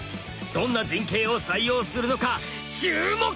どんな陣形を採用するのか注目です！